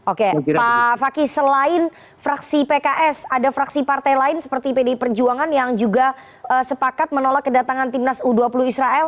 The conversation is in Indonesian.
oke pak fakih selain fraksi pks ada fraksi partai lain seperti pdi perjuangan yang juga sepakat menolak kedatangan timnas u dua puluh israel